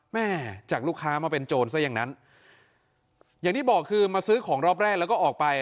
จากลูกค้ามาเป็นโจรซะอย่างนั้นอย่างที่บอกคือมาซื้อของรอบแรกแล้วก็ออกไป